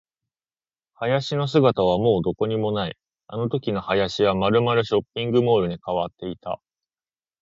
林の姿はもうどこにもない。あのときの林はまるまるショッピングモールに変わっていた。